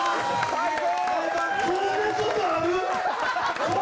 最高！